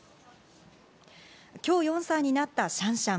今日、４歳になったシャンシャン。